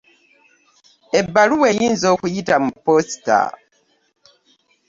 Ebbaluwa eyinza okuyita mu ppoosita.